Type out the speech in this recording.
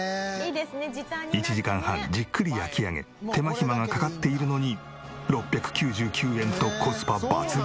１時間半じっくり焼き上げ手間暇がかかっているのに６９９円とコスパ抜群。